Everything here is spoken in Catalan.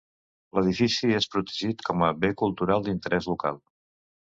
L'edifici és protegit com a bé cultural d'interès local.